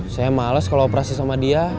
saya males kalau operasi sama dia